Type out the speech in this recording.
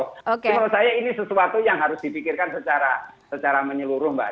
menurut saya ini sesuatu yang harus dipikirkan secara menyeluruh mbak